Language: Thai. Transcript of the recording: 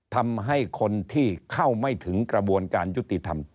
ทำให้คนที่เข้าไม่ถึงกระบวนการยุติธรรม